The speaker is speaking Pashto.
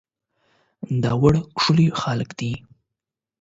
داوړ ښکلي خلک دي